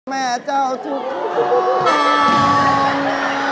แม่เจ้าทุกคน